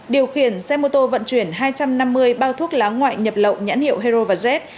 điều khiển xe mô tô vận chuyển hai trăm năm mươi bao thuốc lá ngoại nhập lậu nhãn hiệu hero và jet